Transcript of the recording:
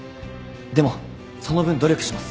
でもその分努力します。